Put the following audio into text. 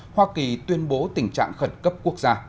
hoa kỳ tuyên bố tình trạng khẩn cấp quốc gia